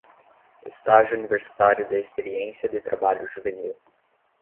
Estágio Universitário de Experiência de Trabalho Juvenil